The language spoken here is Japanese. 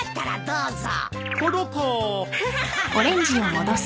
どうぞ。